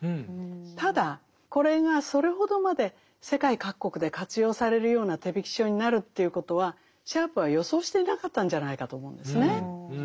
ただこれがそれほどまで世界各国で活用されるような手引書になるということはシャープは予想していなかったんじゃないかと思うんですね。